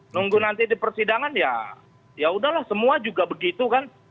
nunggu nanti di persidangan ya udahlah semua juga begitu kan